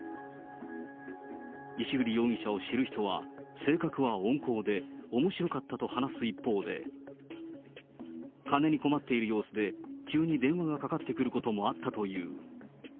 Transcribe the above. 石栗容疑者を知る人は、性格は温厚で、おもしろかったと話す一方で、金に困っている様子で、急に電話がかかってくることもあったという。